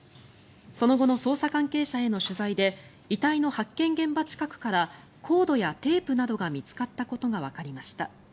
その後の捜査関係者への取材で遺体の発見現場近くからコードやテープなどが見つかったことがわかりました。